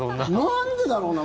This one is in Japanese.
なんでだろうな。